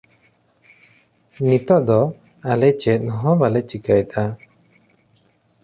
ᱱᱤᱛᱚᱜ ᱫᱚ ᱟᱞᱮ ᱪᱮᱫ ᱦᱚᱸ ᱵᱟᱞᱮ ᱪᱤᱠᱟᱹᱭᱮᱫᱟ